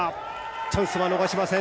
チャンスは逃しません